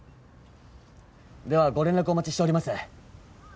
ではご連絡お待ちしております。